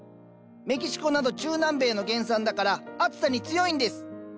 メキシコなど中南米の原産だから暑さに強いんです。